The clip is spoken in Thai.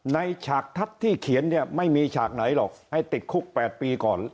ฉากทัศน์ที่เขียนเนี่ยไม่มีฉากไหนหรอกให้ติดคุก๘ปีก่อน